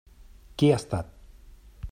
Qui ha estat?